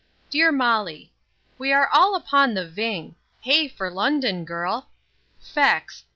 DEAR MOLLY, We are all upon the ving Hey for London, girl! Fecks!